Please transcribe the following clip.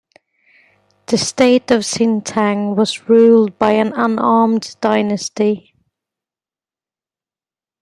The state of Sintang was ruled by an unnamed dynasty.